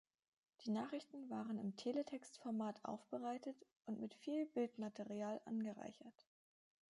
Die Nachrichten waren im Teletext-Format aufbereitet und mit viel Bildmaterial angereichert.